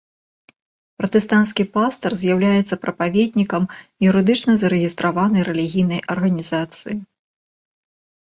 Пратэстанцкі пастар з'яўляецца прапаведнікам юрыдычна зарэгістраванай рэлігійнай арганізацыі.